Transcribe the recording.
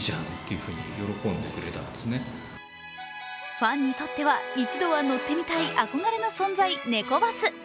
ファンにとっては、一度は乗ってみたい憧れの存在、ネコバス。